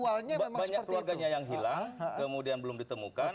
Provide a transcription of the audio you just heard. banyak keluarganya yang hilang kemudian belum ditemukan